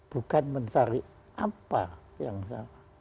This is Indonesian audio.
bukan mencari apa yang salah